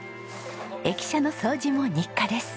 駅舎の掃除も日課です。